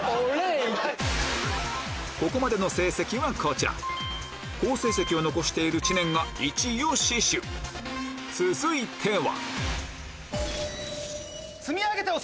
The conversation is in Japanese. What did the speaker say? ここまでの成績はこちら好成績を残している知念が１位を死守続いては？